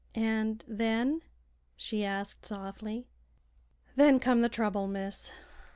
"And then?" she asked, softly. "Then come the trouble, miss.